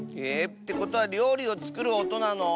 ってことはりょうりをつくるおとなの？